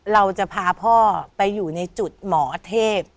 เราจะพาพ่อไปอยู่ในจุดหมอเทพ